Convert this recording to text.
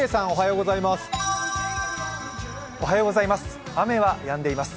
おはようございます。